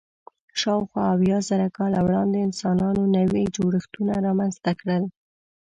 شاوخوا اویا زره کاله وړاندې انسانانو نوي جوړښتونه رامنځ ته کړل.